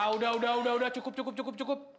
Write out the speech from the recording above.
udah udah udah cukup cukup cukup